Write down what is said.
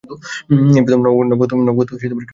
এই প্রথম নবাগত কেউ ফাইনালে উঠল!